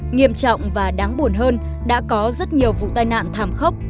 nghiêm trọng và đáng buồn hơn đã có rất nhiều vụ tai nạn thảm khốc